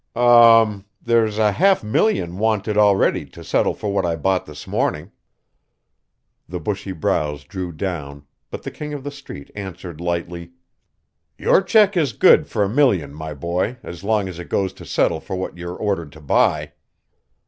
"Um there's a half million wanted already to settle for what I bought this morning." The bushy brows drew down, but the King of the Street answered lightly: "Your check is good for a million, my boy, as long as it goes to settle for what you're ordered to buy."